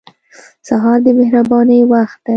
سهار د مهربانۍ وخت دی.